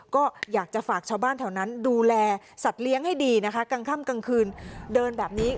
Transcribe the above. ก็อยากจะฝากชาวบ้านแถวนั้นดูแลสัตว์เลี้ยงให้ดีนะคะกลางค่ำกลางคืนเดินแบบนี้